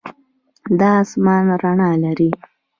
دا آسمان رڼا لري.